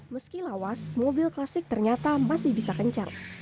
meski lawas mobil klasik ternyata masih bisa kencang